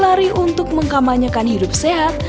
lari untuk mengkampanyekan hidup sehat